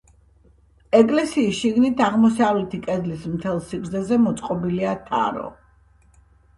ეკლესიის შიგნით, აღმოსავლეთი კედლის მთელ სიგრძეზე მოწყობილია თარო.